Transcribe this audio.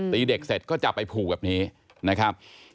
ตีเด็กเสร็จก็จะไปผูกแบบนี้นะครับ